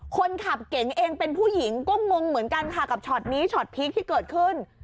คนขับเก๋งเองเป็นผู้หญิงก็งงเหมือนกันค่ะกับช็อตนี้ช็อตพีคที่เกิดขึ้น